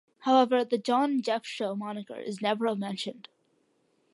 However, the "John and Jeff Show" moniker is never mentioned.